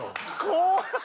怖っ！